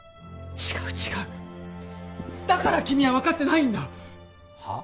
違う違うだから君は分かってないんだはあ？